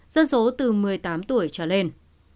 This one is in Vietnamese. dân số từ một mươi tám tuổi trở lên